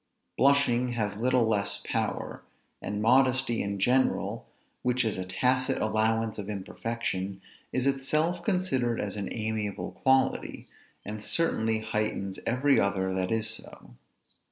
Blushing has little less power; and modesty in general, which is a tacit allowance of imperfection, is itself considered as an amiable quality, and certainly heightens every other that is so.